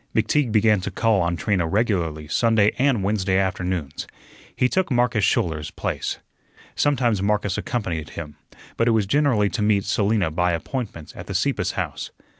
McTeague began to call on Trina regularly Sunday and Wednesday afternoons. He took Marcus Schouler's place. Sometimes Marcus accompanied him, but it was generally to meet Selina by appointment at the Sieppes's house.